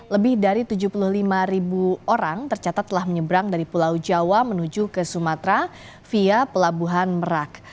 lebih dari tujuh puluh lima ribu orang tercatat telah menyeberang dari pulau jawa menuju ke sumatera via pelabuhan merak